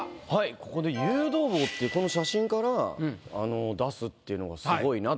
ここで「誘導棒」っていうこの写真から出すっていうのがすごいなと思いました。